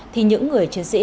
thì những người chiến sĩ